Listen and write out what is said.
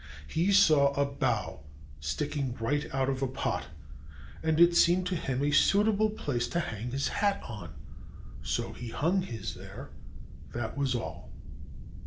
He saw a bough sticking right out of a pot, and it seemed to him a suitable place to hang his hat on: so he hung his there — that was all.